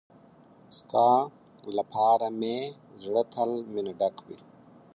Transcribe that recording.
ستا لپاره مې زړه تل مينه ډک وي.